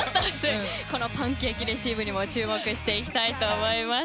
パンケーキレシーブにも注目していきたいと思います。